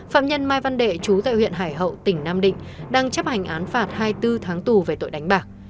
phạm nhân mai văn đệ chú tại huyện hải hậu tỉnh nam định đang chấp hành án phạt hai mươi bốn tháng tù về tội đánh bạc